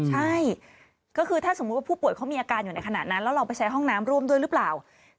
ใช่ก็คือถ้าสมมุติว่าผู้ป่วยเขามีอาการอยู่ในขณะนั้นแล้วเราไปใช้ห้องน้ำร่วมด้วยหรือเปล่า